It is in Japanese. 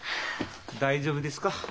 大丈夫ですか？